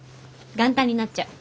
元旦になっちゃう。